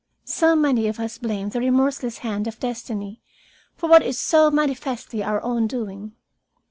So many of us blame the remorseless hand of destiny for what is so manifestly our own doing.